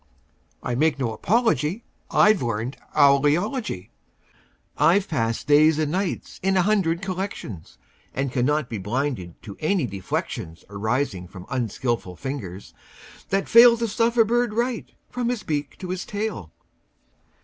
I make no apology; I've learned owl eology. I've passed days and nights in a hundred collections, And cannot be blinded to any deflections Arising from unskilful fingers that fail To stuff a bird right, from his beak to his tail.